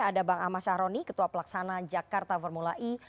ada bang ahmad syahroni ketua pelaksana jakarta formula e